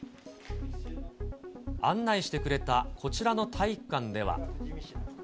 案内してくれたこちらの体育館では。